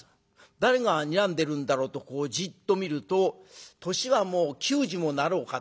誰がにらんでるんだろうとじっと見ると年は９０にもなろうかという。